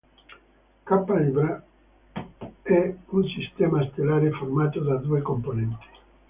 Kappa Librae è un sistema stellare formato da due componenti.